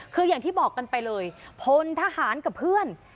คืออย่างที่บอกกันไปเลยพลทหารกับเพื่อน